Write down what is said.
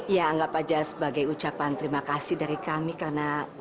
ya anggap aja sebagai ucapan terima kasih dari kami karena